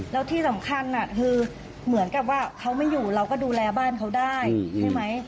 แล้วที่สำคัญคือเหมือนกับว่าเขาไม่อยู่เราก็ดูแลบ้านเขาได้ใช่ไหม